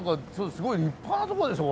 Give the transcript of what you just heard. すごい立派なとこでしょ